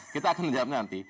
kita akan menjawabnya nanti